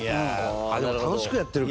あっでも楽しくやってるか。